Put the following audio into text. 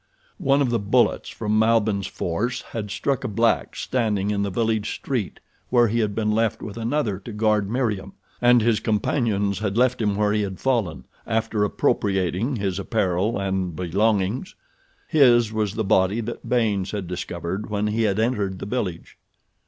One of the bullets from Malbihn's force had struck a black standing in the village street where he had been left with another to guard Meriem, and his companions had left him where he had fallen, after appropriating his apparel and belongings. His was the body that Baynes had discovered when he had entered the village.